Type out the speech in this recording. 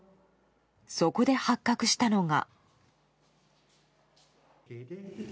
そこで発覚したのが。